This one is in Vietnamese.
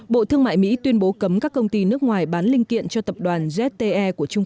bộ thương mại mỹ tuyên bố cấm các công ty nước ngoài bán linh kiện cho tập đoàn zte của trung